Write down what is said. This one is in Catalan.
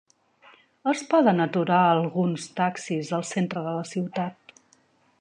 Es poden aturar alguns taxis al centre de la ciutat.